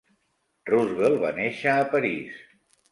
Roosevelt va néixer a París.